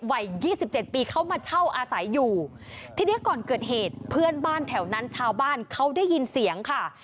วัยยี่สิบเจ็ดปีเขามาเช่าอาศัยอยู่ทีนี้ก่อนเกิดเหตุเพื่อนบ้านแถวนั้นชาวบ้านเขาได้ยินเสียงค่ะ